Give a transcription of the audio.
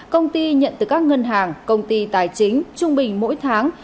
công ty nhận từ các ngân hàng công ty tài chính trung bình mỗi tháng